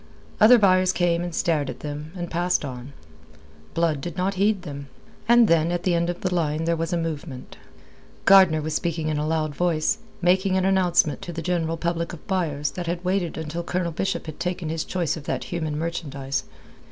Other buyers came and stared at them, and passed on. Blood did not heed them. And then at the end of the line there was a movement. Gardner was speaking in a loud voice, making an announcement to the general public of buyers that had waited until Colonel Bishop had taken his choice of that human merchandise.